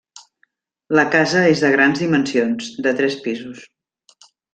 La casa és de grans dimensions, de tres pisos.